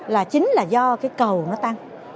là chính là do cái cầu nó tăng